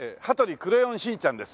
クレヨンしんちゃんです。